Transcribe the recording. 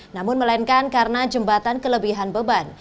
namun melainkan karena jembatan kelebihan beban